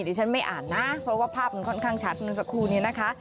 ดิฉันไม่อ่านนะเพราะว่าภาพมันค่อนข้างชัดเมื่อสักครู่นี้นะคะ